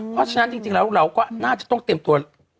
เพราะฉะนั้นจริงแล้วเราก็น่าจะต้องเตรียมตัว